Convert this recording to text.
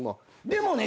でもね